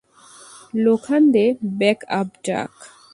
Lokhande, backup ডাক!